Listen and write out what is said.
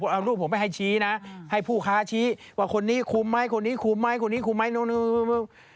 เอารูปผมไปให้ชี้นะให้ผู้ค้าชี้ว่าคนนี้คุมไหมคนนี้คุมไหมคนนี้คุมไหมนู้น